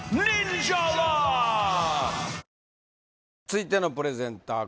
続いてのプレゼンター